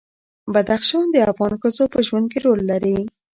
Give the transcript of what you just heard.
بدخشان د افغان ښځو په ژوند کې رول لري.